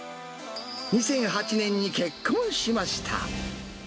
２００８年に結婚しました。